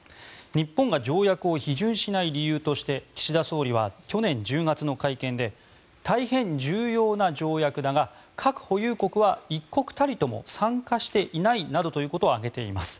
日本が条約を批准しない理由として岸田総理は去年１０月の会見で大変重要な条約だが核保有国は一国たりとも参加していないなどということを挙げています。